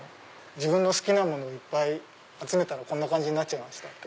自分の好きなものを集めたらこんな感じになっちゃいました。